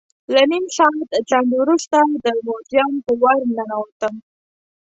له نیم ساعت ځنډ وروسته د موزیم په ور ننوتم.